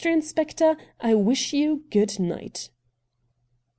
Inspector, I wish you good night.'